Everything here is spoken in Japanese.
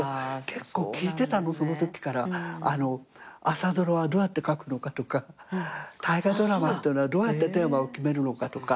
「朝ドラはどうやって書くのか」とか「大河ドラマっていうのはどうやってテーマを決めるのか」とか。